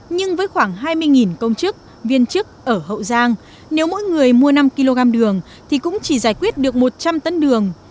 nhưng với khoảng hai mươi công chức viên chức ở hậu giang nếu mỗi người mua năm kg đường thì cũng chỉ giải quyết được một trăm linh tấn đường